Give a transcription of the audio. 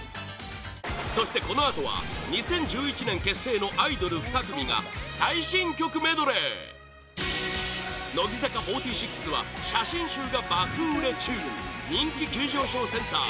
そして、このあとは２０１１年結成のアイドル２組が最新曲メドレー乃木坂４６は写真集が爆売れ中人気急上昇センター